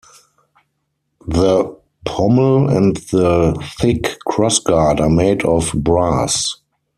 The pommel and the thick crossguard are made of brass.